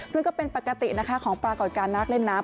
ซึ่งก็เป็นปกตินะคะของปรากฏการณ์นักเล่นน้ำ